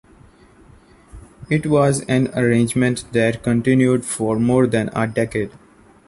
It was an arrangement that continued for more than a decade.